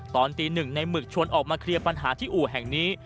ตอนตีหนึ่งในหมึกชวนออกมาเคลียร์ปัญหาที่อู่แห่งนี้